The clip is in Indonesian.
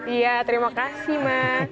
iya terima kasih ma